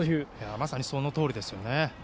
まさにそのとおりですね。